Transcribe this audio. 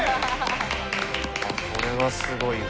これはすごいわ。